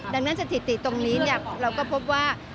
ดังนั้นสถิติตรงนี้เราก็พบว่า